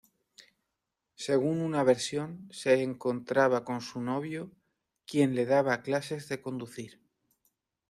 Según una versión, se encontraba con su novio, quien le daba clases de conducir.